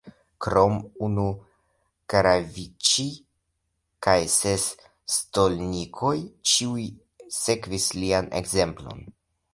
Krom unu kravĉij kaj ses stolnikoj ĉiuj sekvis lian ekzemplon.